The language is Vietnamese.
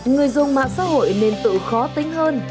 người dùng mạng xã hội nên tự khó tính hơn